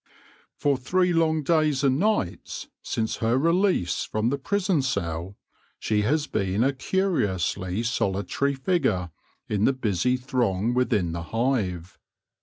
For three long days and nights since her release from the prison ceil she has been a curiously solitary figure in the busy throng within the hive.